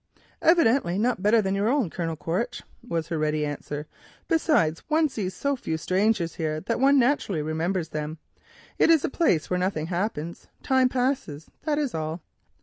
"Evidently not better than your own, Colonel Quaritch," was the ready answer. "Besides, one sees so few strangers here that one naturally remembers them. It is a place where nothing happens—time passes, that is all."